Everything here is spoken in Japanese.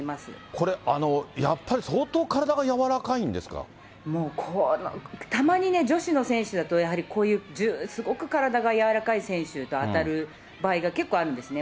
これ、やっぱり相当、もう、たまにね、女子の選手だとやはりこういう、すごく体が柔らかい選手と当たる場合が結構あるんですね。